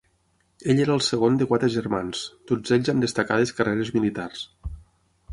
Ell era el segon de quatre germans, tots ells amb destacades carreres militars.